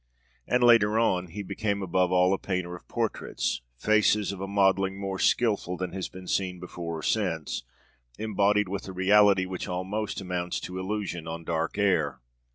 And later on, 'He became above all a painter of portraits; faces of a modeling more skillful than has been seen before or since, embodied with a reality which almost amounts to illusion on dark air.